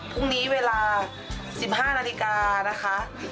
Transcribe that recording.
พรุ่งนี้เวลา๑๕นาฬิกานะคะ